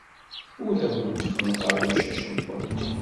Ur awent-xennqeɣ imcac-nwent.